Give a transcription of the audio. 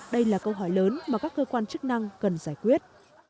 đây là câu hỏi lớn mà các cơ quan chức năng cần giải quyết